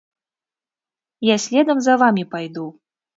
Я следам за вамі пайду.